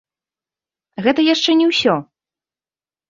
Гэта яшчэ не ўсё!